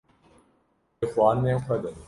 di xwarinên xwe de